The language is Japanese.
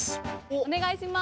お願いします。